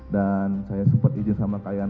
dan saya sempat izin sama kayaan